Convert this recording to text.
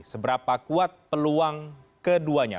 seberapa kuat peluang keduanya